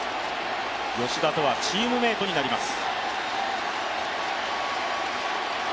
吉田とはチームメイトになります。